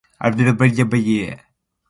Rawaanu e dogga sanne der looŋal.